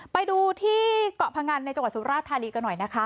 ไปดูที่เกาะพงันในจังหวัดสุราธานีกันหน่อยนะคะ